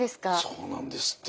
そうなんですって。